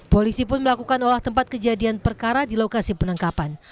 polisi pun melakukan olah tempat kejadian perkara di lokasi penangkapan